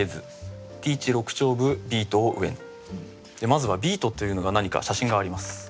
まずは「ビート」というのが何か写真があります。